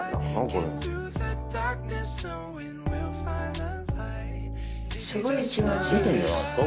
これ出てるんじゃないですか